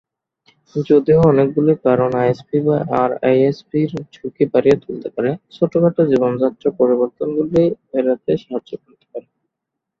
যদিও অনেকগুলি কারণ আইএসপি বা আরআইএসপি-র ঝুঁকি বাড়িয়ে তুলতে পারে, ছোটখাটো জীবনযাত্রার পরিবর্তনগুলি তা এড়াতে সাহায্য করতে পারে।